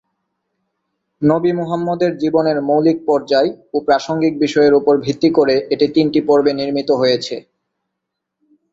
নবী মুহাম্মদের জীবনের মৌলিক পর্যায় ও প্রাসঙ্গিক বিষয়ের উপর ভিত্তি করে এটি তিনটি পর্বে নির্মিত হয়েছে।